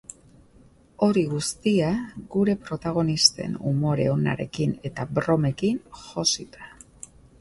Hori guztia, gure protagonisten umore onarekin eta bromekin josita.